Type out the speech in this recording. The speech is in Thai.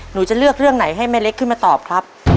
หนูจะเลือกเรื่องไหนให้แม่เล็กขึ้นมาตอบครับ